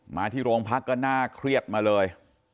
มาที่โรงพักก็น่าเครียดมาเลย